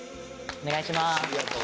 お願いします。